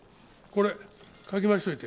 これかき回しといて。